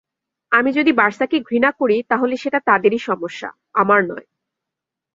আমি যদি বার্সাকে ঘৃণা করি, তাহলে সেটা তাদেরই সমস্যা, আমার নয়।